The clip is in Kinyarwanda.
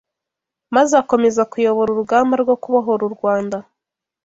maze akomeza kuyobora urugamba rwo kubohora u Rwanda